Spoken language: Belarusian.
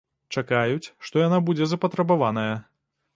Чакаюць, што яна будзе запатрабаваная.